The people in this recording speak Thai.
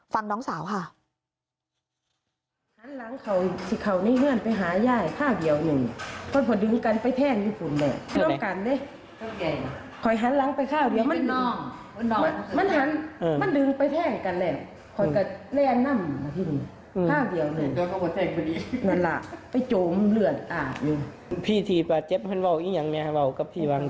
ฟังน้องสาวค่ะ